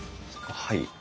はい。